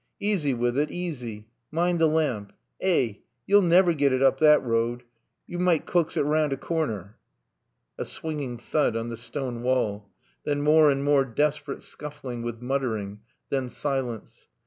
"Easy with un easy. Mind t' lamp. Eh yo'll never get un oop that road. Yo mun coax un round corner." A swinging thud on the stone wall. Then more and more desperate scuffling with muttering. Then silence.